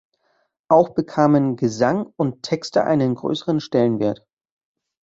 Auch bekamen Gesang und Texte einen größeren Stellenwert.